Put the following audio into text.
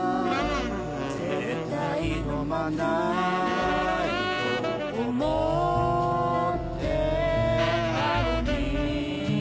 「絶対飲まないと思ってたのに」